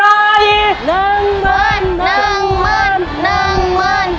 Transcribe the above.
จะได้โบนัสกลับไปบ้านเท่าไหร่